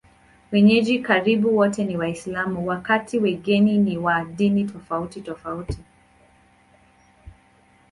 Wenyeji karibu wote ni Waislamu, wakati wageni ni wa dini tofautitofauti.